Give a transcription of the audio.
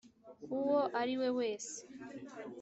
uwo ariwe wese